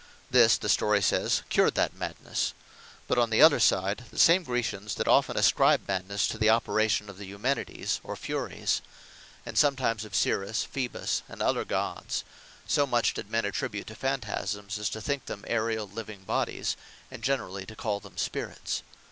This the story sayes cured that madnesse. But on the other side, the same Graecians, did often ascribe madnesse, to the operation of the Eumenides, or Furyes; and sometimes of Ceres, Phoebus, and other Gods: so much did men attribute to Phantasmes, as to think them aereal living bodies; and generally to call them Spirits.